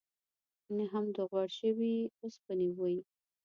نه هم د غوړ شوي اوسپنې بوی.